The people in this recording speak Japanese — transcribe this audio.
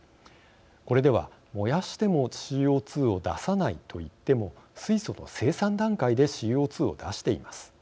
これでは燃やしてもＣＯ２を出さないと言っても水素の生産段階でＣＯ２を出しています。